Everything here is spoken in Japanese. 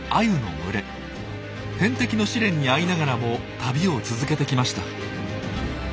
天敵の試練に遭いながらも旅を続けてきました。